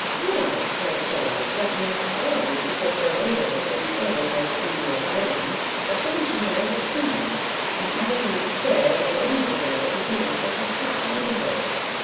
"Well," cried Charles, "that must all be because Barbadoes, and the other West India islands, are so much nearer the sun, and I cannot say I have any desire to be in such a hot neighbourhood."